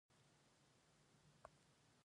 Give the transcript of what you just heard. Fuɗɗam ginnawol, daga joorde yiʼété.